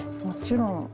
もちろん。